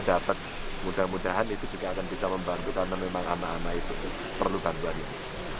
tapi semoga mungkin itu juga bisa membantu karena memang anak anak itu perlu bantuan itu